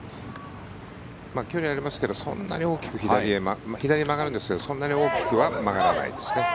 距離はありますがそんなに大きくまあ、左へ曲がるんですけどそんなに大きくは曲がらないですね。